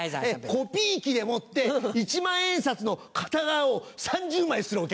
コピー機でもって１万円札の片側を３０枚刷るお客。